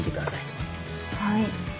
はい。